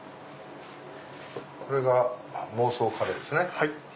これが妄想カレーですね。